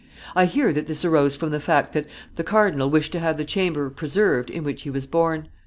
I hear that this arose from the fact that the cardinal wished to have the chamber preserved in which he was born.